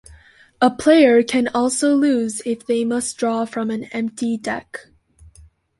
A player can also lose if they must draw from an empty deck.